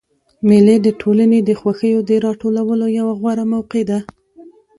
مېلې د ټولني د خوښیو د راټولولو یوه غوره موقع ده.